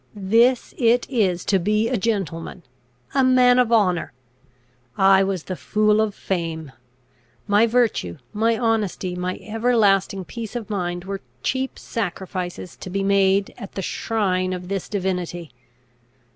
"This it is to be a gentleman! a man of honour! I was the fool of fame. My virtue, my honesty, my everlasting peace of mind, were cheap sacrifices to be made at the shrine of this divinity.